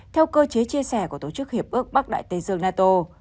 theo cơ chế chia sẻ của tổ chức hiệp ước bắc đại tây dương nato